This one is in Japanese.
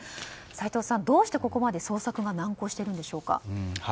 斎藤さん、どうしてここまで捜索が難航しているんでしょうか。